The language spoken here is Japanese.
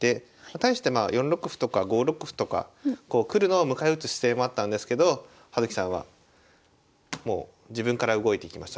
対してまあ４六歩とか５六歩とか来るのを迎え撃つ姿勢もあったんですけど葉月さんはもう自分から動いていきました。